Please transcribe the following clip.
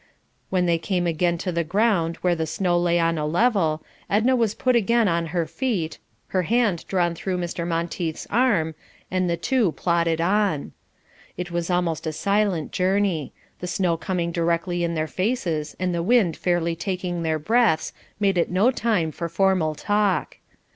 When they came again to the ground where the snow lay on a level, Edna was put again upon her feet, her hand drawn through Mr. Monteith's arm, and the two plodded on. It was almost a silent journey; the snow coming directly in their faces, and the wind fairly taking their breaths, made it no time for formal talk.